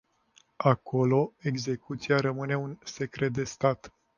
Acolo, execuția rămâne un secret de stat.